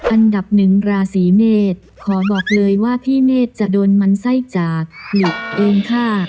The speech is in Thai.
อันดับหนึ่งราศีเมษขอบอกเลยว่าพี่เมฆจะโดนมันไส้จากหลบเองค่ะ